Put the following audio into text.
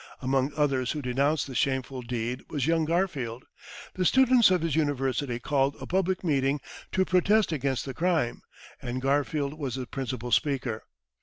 Among others who denounced the shameful deed was young Garfield. The students of his university called a public meeting to protest against the crime, and Garfield was the principal speaker.